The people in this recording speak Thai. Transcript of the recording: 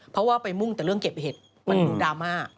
เพราะว่าไปมุ่งแต่เรื่องเก็บเห็ดมันดูดราม่า